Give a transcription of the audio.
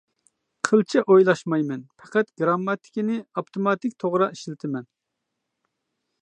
قىلچە ئويلاشمايمەن، پەقەت گىرامماتىكىنى ئاپتوماتىك توغرا ئىشلىتىمەن.